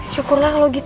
syukurlah kalo gitu